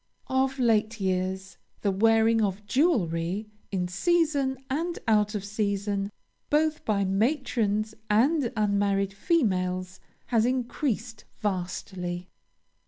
Of late years, the wearing of jewelry, in season and out of season, both by matrons and unmarried females, has increased vastly.